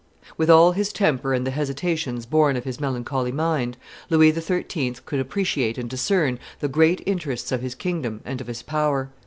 191] With all his temper and the hesitations born of his melancholy mind, Louis XIII. could appreciate and discern the great interests of his kingdom and of his power.